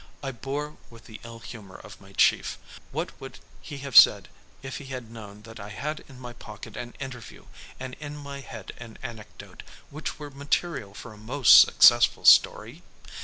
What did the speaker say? I bore with the ill humor of my chief. What would he have said if he had known that I had in my pocket an interview and in my head an anecdote which were material for a most successful story?